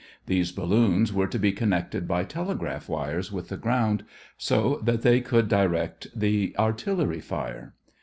These balloons were to be connected by telegraph wires with the ground, so that they could direct the artillery fire.